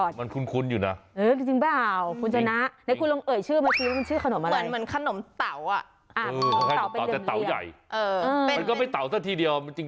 เตามันต้องกรมเสีย